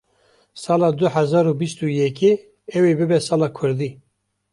sala du hezar û bîst û yekê ew ê bibe sala kurdî.